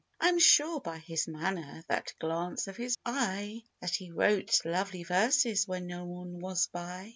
I am sure, by his manner, — that glance of his eye, — That he wrote lovely verses when no one was by.